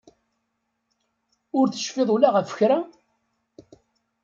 Ur tecfiḍ ula ɣef kra?